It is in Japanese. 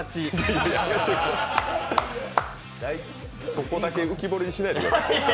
そこだけ浮き彫りにしないでください。